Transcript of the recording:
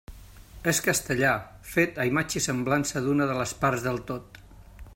És castellà, fet a imatge i semblança d'una de les parts del tot.